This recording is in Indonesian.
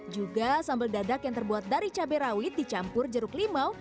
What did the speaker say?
juga sambal dadak yang terbuat dari cabai rawit dicampur jeruk limau